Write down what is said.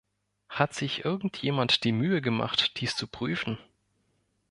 Hat sich irgendjemand die Mühe gemacht, dies zu prüfen?